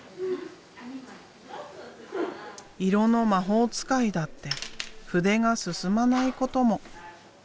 色の魔法使いだって筆が進まないことも。